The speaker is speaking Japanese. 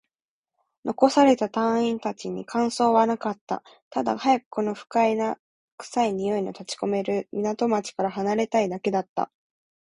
残された隊員達に感想はなかった。ただ、早くこの不快な臭いの立ち込める港町から離れたいだけだった。